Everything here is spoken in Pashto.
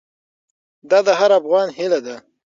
دا د هر افغان هیله ده.